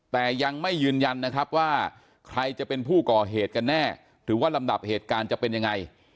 แต่ยังไม่ยืนยันนะครับว่าใครจะเป็นผู้ก่อเหตุกันแน่หรือว่าลำดับเหตุการณ์จะเป็นยังไง